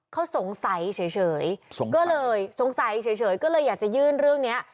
เขาสงสัยเฉยก็เลยสงสัยเฉยก็เลยอยากจะยื่นเรื่องนี้